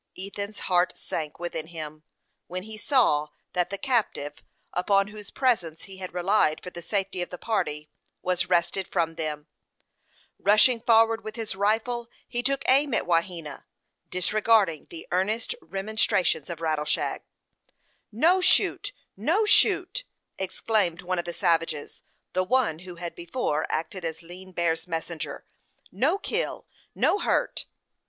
Ethan's heart sank within him, when he saw that the captive, upon whose presence he had relied for the safety of the party, was wrested from them. Rushing forward with his rifle, he took aim at Wahena, disregarding the earnest remonstrances of Rattleshag. "No shoot! no shoot!" exclaimed one of the savages the one who had before acted as Lean Bear's messenger. "No kill, no hurt."